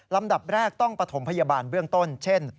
ลำดับแรกต้องปฐมพยาบาลเบื้องต้นเช่น